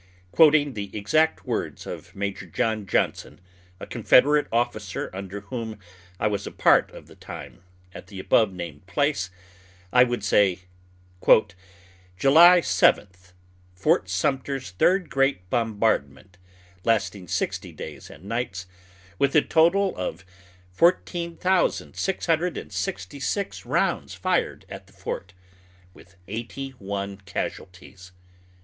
Quoting the exact words of Major John Johnson, a Confederate officer under whom I was a part of the time at the above named place, I would say: "July 7th, Fort Sumter's third great bombardment, lasting sixty days and nights, with a total of 14,666 rounds fired at the fort, with eighty one casualties."